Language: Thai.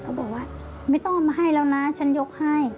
บอกว่าไม่ต้องเอามาให้แล้วนะฉันยกให้